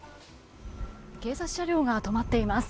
警察車両が止まっています。